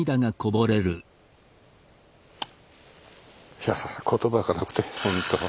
いや言葉がなくてほんと。